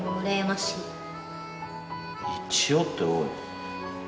「一応」っておい。